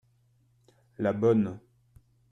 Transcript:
la bonne.